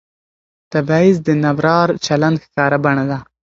تبعیض د نابرابر چلند ښکاره بڼه ده